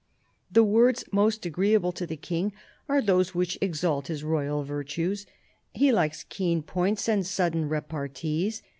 " The words most agreeable to the King are those which exalt his royal virtues. He likes keen points and sudden repartees.